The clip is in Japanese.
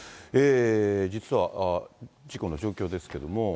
実は事故の状況ですけれども。